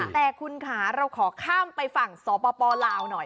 แต่คุณค่ะเราขอข้ามไปฝั่งสปลาวหน่อย